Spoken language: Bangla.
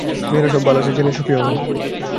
মেয়েরা সব ভাল আছে জেনে সুখী হলাম।